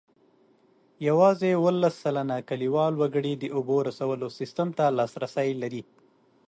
یوازې اوولس سلنه کلیوال وګړي د اوبو رسولو سیسټم ته لاسرسی لري.